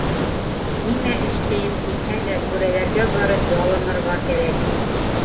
Нимә эштәйем тиһә лә түрәләргә барып ялынырға кәрәк.